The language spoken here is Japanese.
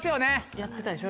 やってたでしょ？